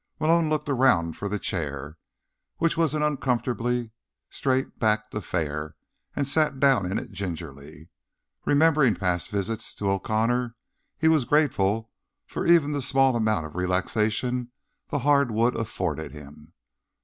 Malone looked around for the chair, which was an uncomfortably straight backed affair, and sat down in it gingerly. Remembering past visits to O'Connor, he was grateful for even the small amount of relaxation the hard wood afforded him.